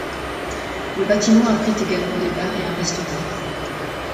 Le bâtiment abrite également des bars et un restaurant.